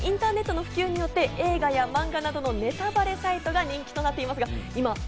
きょうは夏休み特別企画、近年インターネットの普及によって映画やマンガなどのネタバレサイトが人気となっています。